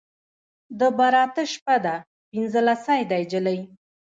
د براته شپه ده پنځلسی دی نجلۍ